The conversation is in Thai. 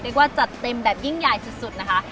ด้วยกว่าจัดเต็มแบบยิ่งใหญ่สุดนะคะ